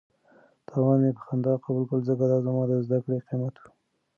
تاوان مې په خندا قبول کړ ځکه دا زما د زده کړې قیمت و.